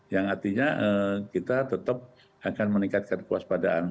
yang artinya kita tetap akan meningkatkan kepuas padaan